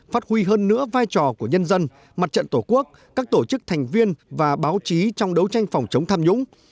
phát huy hơn nữa vai trò của nhân dân mặt trận tổ quốc các tổ chức thành viên và báo chí trong đấu tranh phòng chống tham nhũng